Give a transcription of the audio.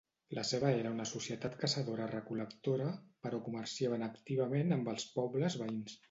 La seva era una societat caçadora-recol·lectora però comerciaven activament amb els pobles veïns.